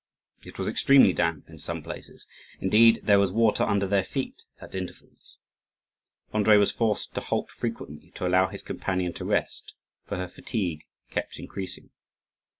It was extremely damp in some places; indeed there was water under their feet at intervals. Andrii was forced to halt frequently to allow his companion to rest, for her fatigue kept increasing.